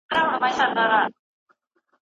هغوی د خصوصي سکتورونو پیاوړتیا غوښته.